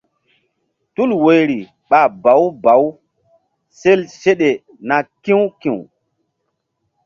Tul woyri ɓa bawu bawu sel seɗe na ki̧w ki̧w.